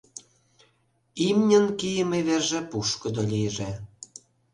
Имньын кийыме верже пушкыдо лийже.